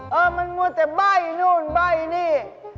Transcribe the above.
เออมันมัวแต่ใบ้นู่นใบ้นี่